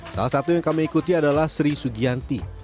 salah satu yang kami ikuti adalah sri sugianti